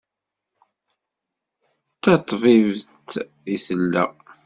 D taṭbibt i tella?